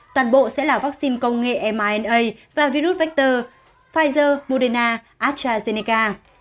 toàn bộ sẽ là vaccine công nghệ mrna và virus vector pfizer biontech astrazeneca